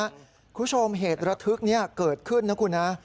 คุณผู้ชมเหตุระทึกนี้เกิดขึ้นนะคุณนะ